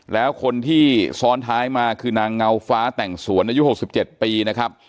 แล้วคนที่ซ้อนท้ายมาคือนางเงาฟ้าแต่งสวนอายุ๖๗ปีนะครับ